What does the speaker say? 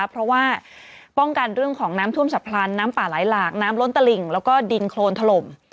เพราะว่าป้องกันเรื่องของน้ำท่วมฉับพลันน้ำป่าไหลหลากน้ำล้นตลิ่งแล้วก็ดินโครนถล่ม